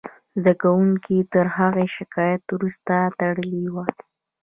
زده کوونکو تر هغه شکایت وروسته تړلې وه